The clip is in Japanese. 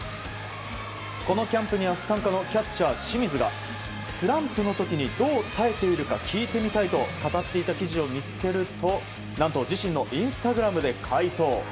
このキャンプには不参加のキャッチャー清水がスランプの時にどう耐えているか聞いてみたいと語っていた記事を見つけると何と自身のインスタグラムで回答。